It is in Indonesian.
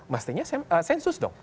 mestinya sensus dong